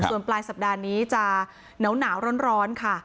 ส่วนปลายสัปดาห์นี้จะหนาวร้อนค่ะ